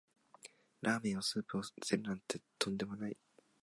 ラーメンのスープを捨てるなんてとんでもない